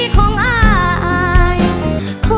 หล่อค่ะ